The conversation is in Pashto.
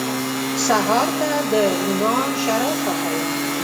سهار ته د روڼا شراب پخوم